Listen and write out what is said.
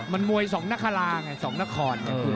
มันมวยสองนคราไงสองนคร